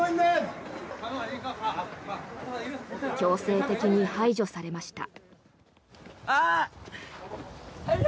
強制的に排除されました。